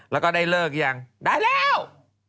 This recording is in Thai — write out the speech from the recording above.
แล้วก็ได้เลิกยังได้แล้ว